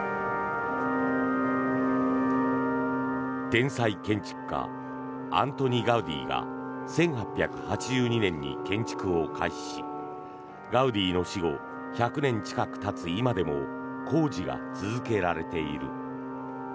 天才建築家アントニ・ガウディが１８８２年に建築を開始しガウディの死後１００年近くたつ今でも工事が続けられている。